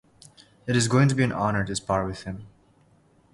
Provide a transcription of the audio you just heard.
It is going to be an honor to spar with him.